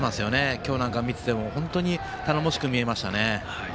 今日なんか見ていても本当に頼もしく見えましたね。